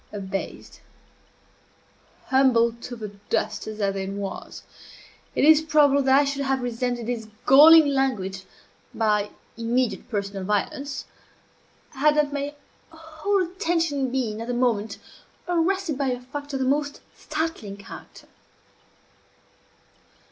Abased, humbled to the dust as I then was, it is probable that I should have resented this galling language by immediate personal violence, had not my whole attention been at the moment arrested by a fact of the most startling character.